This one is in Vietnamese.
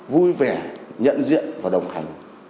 vui vẻ nhận diện và đồng hành